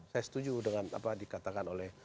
saya setuju dengan apa dikatakan oleh